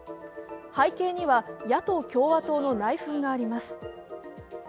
背景には野党・共和党の内紛があります。